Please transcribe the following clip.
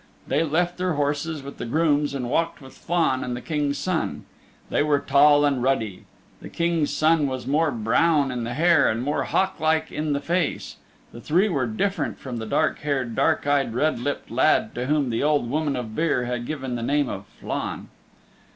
They left their horses with the grooms and walked with Flann and the King's Son. They were tall and ruddy; the King's Son was more brown in the hair and more hawk like in the face: the three were different from the dark haired, dark eyed, red lipped lad to whom the Old Woman of Beare had given the name of Flann.